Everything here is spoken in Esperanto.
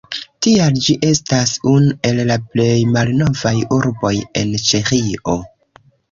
Tial ĝi estas unu el la plej malnovaj urboj en Ĉeĥio.